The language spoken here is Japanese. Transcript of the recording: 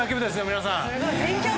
皆さん！